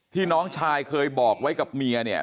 น้องชายเคยบอกไว้กับเมียเนี่ย